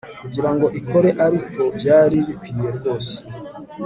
kugirango ikore ariko byari bikwiye rwose